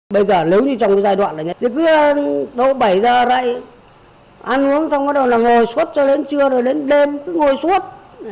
bây giờ nếu như trong giai đoạn này thì cứ đổ bảy ra rạy ăn uống xong rồi ngồi suốt cho đến trưa rồi đến đêm cứ ngồi suốt